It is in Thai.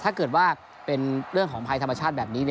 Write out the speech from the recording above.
ถ้าเกิดว่าเป็นเรื่องของภัยธรรมชาติแบบนี้